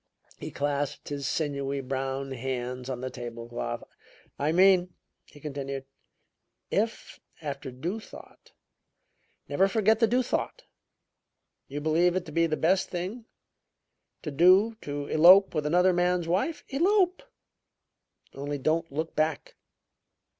He clasped his sinewy, brown hands on the table cloth. "I mean," he continued, "if, after due thought never forget the due thought you believe it to be the best thing to do to elope with another man's wife, elope; only don't look back.